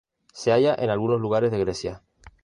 Se halla en algunos lugares de Grecia.